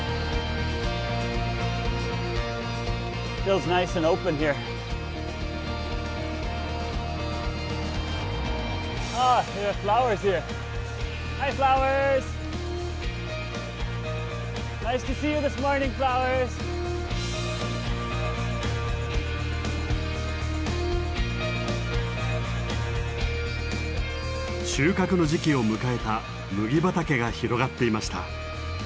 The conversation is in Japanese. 収穫の時期を迎えた麦畑が広がっていました。